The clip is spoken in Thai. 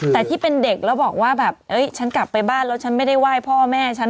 แต่ที่เป็นเด็กแล้วบอกว่าแบบฉันกลับไปบ้านแล้วฉันไม่ได้ไหว้พ่อแม่ฉัน